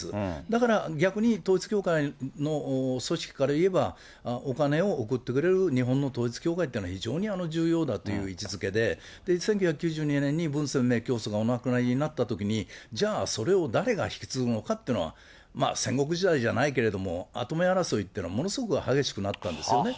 だから、逆に統一教会の組織から言えば、お金を送ってくれる日本の統一教会ってのは非常に重要だという位置づけで、１９９２年に文鮮明教祖がお亡くなりになったときに、じゃあ、それを誰が引き継ぐのかっていうのは、戦国時代じゃないけれども、跡目争いってのがものすごく激しくなったんですよね。